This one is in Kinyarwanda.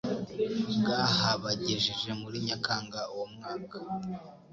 bwahabagejeje muri Nyakanga uwo mwaka